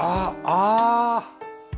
ああ！